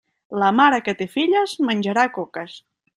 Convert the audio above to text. La mare que té filles menjarà coques.